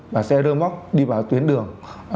và xe rơ móc đi vào tuyến đường